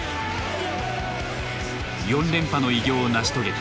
４連覇の偉業を成し遂げた。